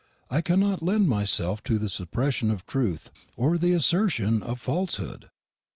I cannot lend myself to the suppression of truth or the assertion of falsehood.